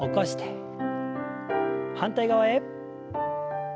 反対側へ。